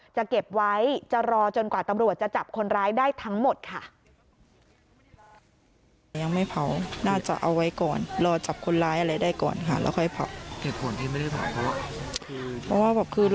จะเก็บไว้จะรอจนกว่าตำรวจจะจับคนร้ายได้ทั้งหมดค่ะ